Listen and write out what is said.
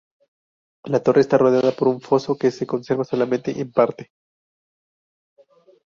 La Torre está rodeada por un foso que se conserva solamente en parte.